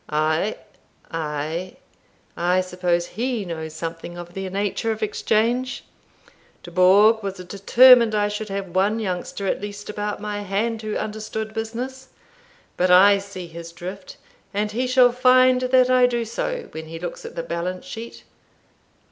"Ay, ay, I suppose he knows something of the nature of exchange. Dubourg was determined I should have one youngster at least about my hand who understood business. But I see his drift, and he shall find that I do so when he looks at the balance sheet.